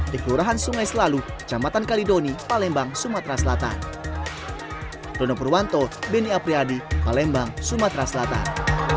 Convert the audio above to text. dan sungai selalu jambatan kalidoni palembang sumatera selatan